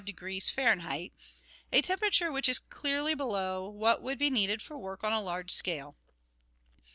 — a temperature which is clearly below what would be needed for work on a large scale.